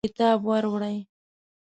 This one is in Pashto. کتاب واوړوئ